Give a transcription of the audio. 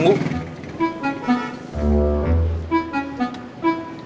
terus aku mau pergi ke rumah